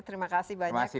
terima kasih banyak dino